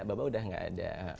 bapak udah nggak ada